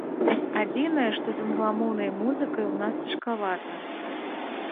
Адзінае, што з англамоўнай музыкай у нас цяжкавата.